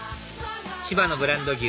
千葉のブランド牛